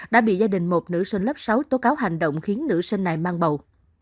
đã bị gia đình một nữ sinh lớp sáu tố cáo hành động khiến nữ sinh này mang bầu